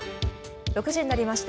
６時になりました。